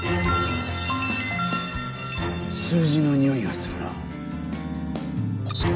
数字のにおいがするなぁ。